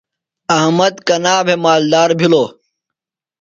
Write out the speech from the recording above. احمد کنا بھےۡ مالدار بِھلوۡ؟